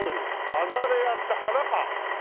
アザレアって花か！